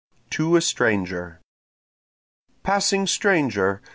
To a Stranger Passing stranger!